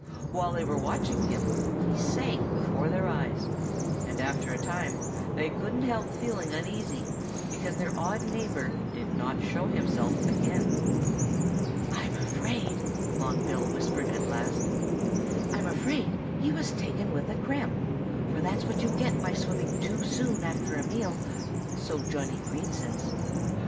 While they were watching him, he sank before their eyes. And after a time they couldn't help feeling uneasy, because their odd neighbor did not show himself again. "I'm afraid " Long Bill whispered at last "I'm afraid he was taken with a cramp, for that's what you get by swimming too soon after a meal so Johnnie Green says. ..